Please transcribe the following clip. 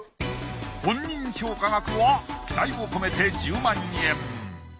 本人評価額は期待を込めて１０万円。